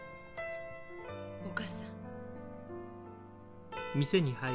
お義母さん。